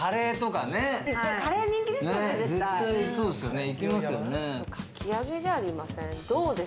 かき揚げじゃありません？